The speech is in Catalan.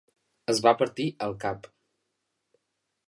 Es va partir el cap.